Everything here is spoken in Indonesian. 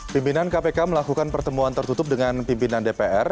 pimpinan kpk melakukan pertemuan tertutup dengan pimpinan dpr